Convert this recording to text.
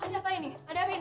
kau pani lider yang ngapain